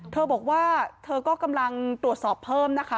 เธอบอกว่าเธอก็กำลังตรวจสอบเพิ่มนะคะ